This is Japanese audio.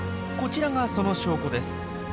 こちらがその証拠です。